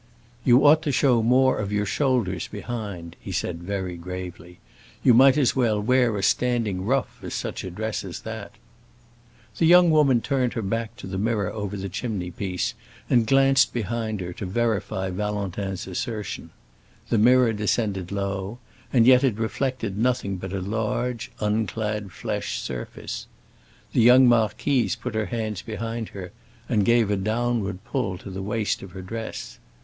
"You ought to show more of your shoulders behind," he said very gravely. "You might as well wear a standing ruff as such a dress as that." The young woman turned her back to the mirror over the chimney piece, and glanced behind her, to verify Valentin's assertion. The mirror descended low, and yet it reflected nothing but a large unclad flesh surface. The young marquise put her hands behind her and gave a downward pull to the waist of her dress.